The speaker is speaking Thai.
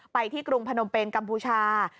ไปที่กรุงพนมเป็นกัมพูชา